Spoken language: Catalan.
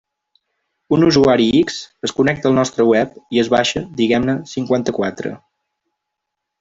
Un usuari X es connecta al nostre web i es baixa, diguem-ne, cinquanta-quatre.